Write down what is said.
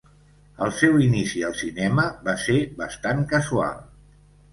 El seu inici al cinema va ser bastant casual.